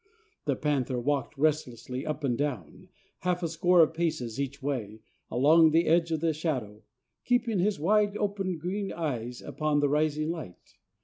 The panther walked restlessly up and down, half a score of paces each way, along the edge of the shadow, keeping his wide open green eyes upon the rising light.